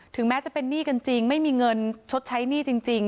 แม้จะเป็นหนี้กันจริงไม่มีเงินชดใช้หนี้จริง